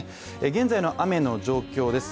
現在の雨の状況です。